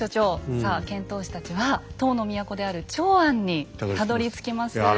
さあ遣唐使たちは唐の都である長安にたどりつきます。